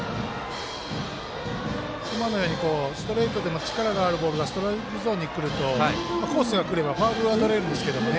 今のようにストレートでも力のあるボールがストライクゾーンにくるとコースにくればファウルはとれるんですけどもね。